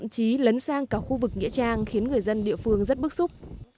cả khu vực nghĩa trang khiến người dân địa phương rất bức xúc